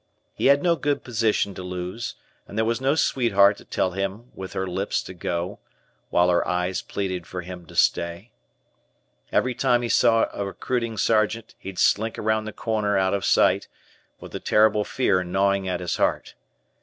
He had no good position to lose, and there was no sweetheart to tell him with her lips to go, while her eyes pleaded for him to stay. Every time he saw a recruiting sergeant, he'd slink around the corner out of sight, with a terrible fear gnawing at his heart.